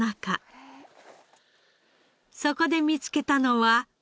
そこで見つけたのは。